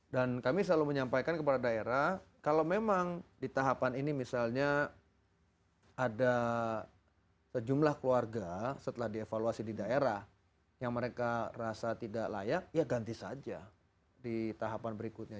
dan kami selalu menyampaikan kepada daerah kalau memang di tahapan ini misalnya ada sejumlah keluarga setelah dievaluasi di daerah yang mereka rasa tidak layak ya ganti saja di tahapan berikutnya